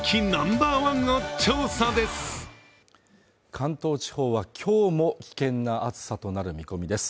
関東地方は今日も危険な暑さとなる見込みです。